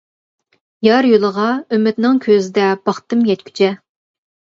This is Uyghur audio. يار يولىغا ئۈمىدنىڭ كۆزىدە باقتىم يەتكۈچە.